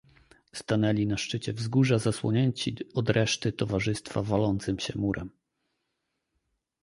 "Stanęli na szczycie wzgórza zasłonięci od reszty towarzystwa walącym się murem."